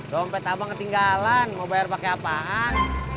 dompet abang ketinggalan mau bayar pakai apaan